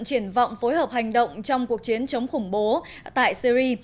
triển vọng phối hợp hành động trong cuộc chiến chống khủng bố tại syri